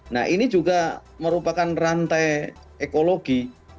nah ini juga merupakan rantai ekologi